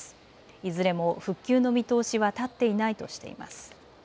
いずれも復旧の見通しは立っていないとしています。